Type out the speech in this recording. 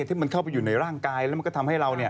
ที่มันเข้าไปอยู่ในร่างกายแล้วมันก็ทำให้เรา